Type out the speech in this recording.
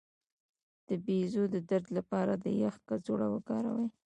د بیضو د درد لپاره د یخ کڅوړه وکاروئ